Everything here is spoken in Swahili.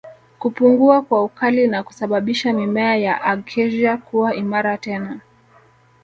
Kupungua kwa ukali na kusababisha mimea ya Acacia kuwa imara tena